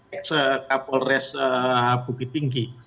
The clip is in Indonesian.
eks kapolres bugi tinggi